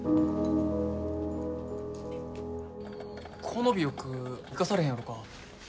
この尾翼生かされへんやろか？